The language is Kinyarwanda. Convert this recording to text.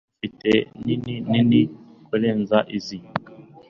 Ufite nini nini kurenza izi?